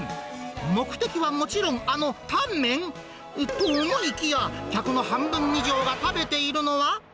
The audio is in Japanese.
目的はもちろんあのタンメン？と思いきや、客の半分以上が食べているのは。